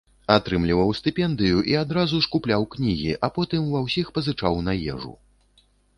Атрымліваў стыпендыю і адразу ж купляў кнігі, а потым ва ўсіх пазычаў на ежу.